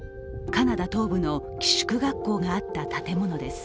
カナダ東部の、寄宿学校があった建物です。